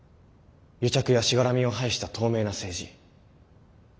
癒着やしがらみを排した透明な政治。